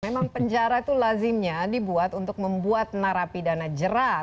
memang penjara itu lazimnya dibuat untuk membuat narapi dana jerat